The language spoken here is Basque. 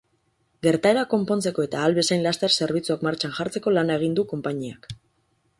Gertaera konpontzeko eta ahal bezain laster zerbitzuak martxan jartzeko lana egin du konpainiak.